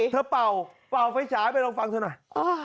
เป่าเป่าไฟฉายไปลองฟังเธอหน่อย